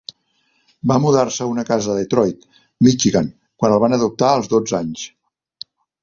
Va mudar-se a una casa a Detroit, Michigan, quan el van adoptar als dotze anys.